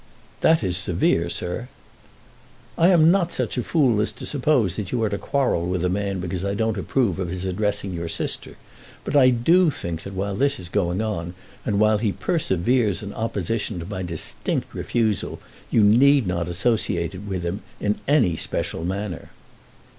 "That is severe, sir." "I am not such a fool as to suppose that you are to quarrel with a man because I don't approve his addressing your sister; but I do think that while this is going on, and while he perseveres in opposition to my distinct refusal, you need not associate with him in any special manner."